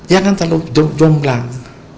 jangan terlalu jomblang